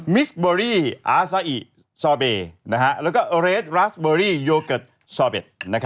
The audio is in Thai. มิสเบอรี่อาซ้ายซอเบย์และเร็ดราสเบอรี่โยเกิร์ตซอเบย์